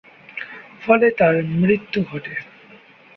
ফলে তার মৃত্যু ঘটে।